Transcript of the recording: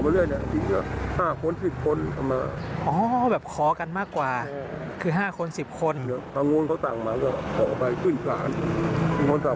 เรื่องแรกเขาก็ลองเงินมาทิ้งแล้วเขาก็จับมาทิ้ง